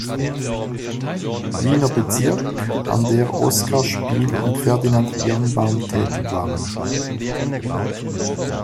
Wiener Bezirk, an der Oskar Spiel und Ferdinand Birnbaum tätig waren.